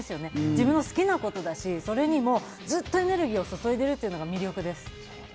自分の好きなことだし、それにずっとエネルギーを注いでるところが魅力です。